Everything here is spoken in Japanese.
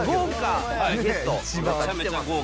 めちゃめちゃ豪華。